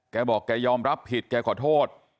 แกบอกแกยอมรับผิดแกขอโทษ